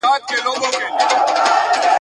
ستا د تخت او زما د سر به دښمنان وي ..